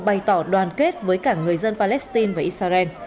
bày tỏ đoàn kết với cả người dân palestine